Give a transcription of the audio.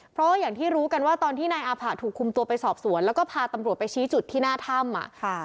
เพราะว่าอย่างที่รู้กันว่าตอนที่นายอาผะถูกคุมตัวไปสอบสวนแล้วก็พาตำรวจไปชี้จุดที่หน้าถ้ำ